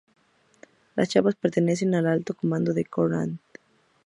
Las chapas pertenecen al alto mando de Konrad.